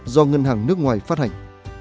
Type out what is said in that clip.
do ngân hàng nước ngoài phát hành